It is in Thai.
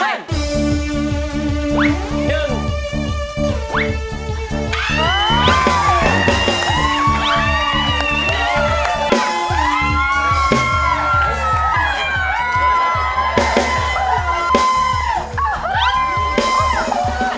แอปชั่น